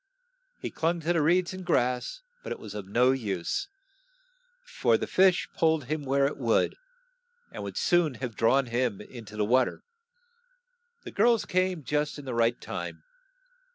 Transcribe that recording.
He clung to the reeds and grass, but it was of no use, for the fish pulled him where it would, and would soon have drawn him in to the wa ter. The girls came just in the right time.